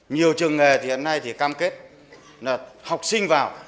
nhiều trường nghề hiện nay cam kết học sinh vào